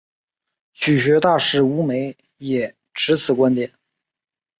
曲学大师吴梅也持此观点。